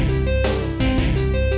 liat gue cabut ya